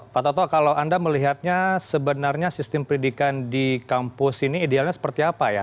pak toto kalau anda melihatnya sebenarnya sistem pendidikan di kampus ini idealnya seperti apa ya